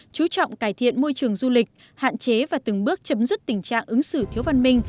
chú trọng cải thiện môi trường du lịch hạn chế và từng bước chấm dứt tình trạng ứng xử thiếu văn minh